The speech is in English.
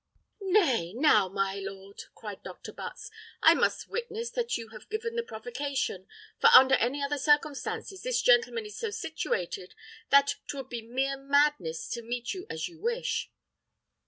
"Nay, now, my lord!" cried Dr. Butts, "I must witness that you have given the provocation; for under any other circumstances, this gentleman is so situated that 'twould be mere madness to meet you as you wish."